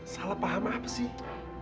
salah paham apa sih